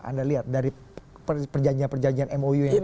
anda lihat dari perjanjian perjanjian mou yang tadi